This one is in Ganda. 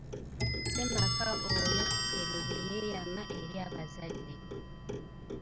Ssemaka oyo ebyo bye yeeyema eri abazadde.